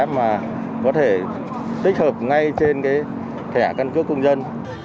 mà có thể tích hợp ngay trên cái thẻ căn cước công dân